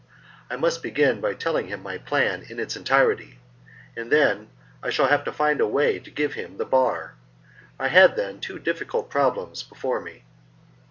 I must begin by telling him my plan in its entirety, and then I shall have to find a way to give him the bar. I had, then, two difficult problems before me.